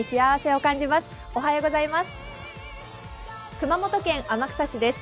熊本県天草市です。